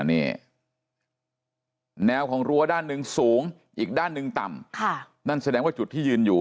นี่แนวของรั้วด้านหนึ่งสูงอีกด้านหนึ่งต่ำค่ะนั่นแสดงว่าจุดที่ยืนอยู่